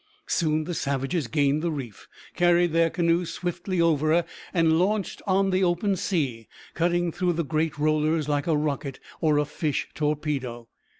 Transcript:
Soon the savages gained the reef, carried their canoe swiftly over, and launched on the open sea, cutting through the great rollers like a rocket or a fish torpedo.